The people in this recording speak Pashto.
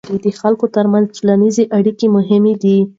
د خلکو ترمنځ ټولنیزې اړیکې مهمې دي.